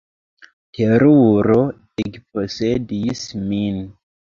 Teruro ekposedis min.